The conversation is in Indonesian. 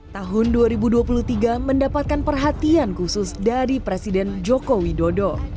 tahun dua ribu dua puluh tiga mendapatkan perhatian khusus dari presiden joko widodo